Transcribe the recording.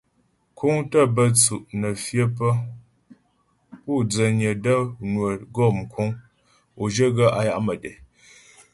Kúŋ tə́ bə́ tsʉ' nə́ fyə pə́ pu' dzənyə də́ nwə gɔ mkuŋ o zhyə gaə́ á ya' mətɛ.